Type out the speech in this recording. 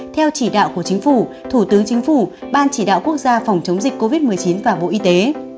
theo chỉ đạo của chính phủ thủ tướng chính phủ ban chỉ đạo quốc gia phòng chống dịch covid một mươi chín và bộ y tế